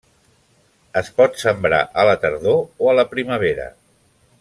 Es pot sembrar a la tardor o a la primavera.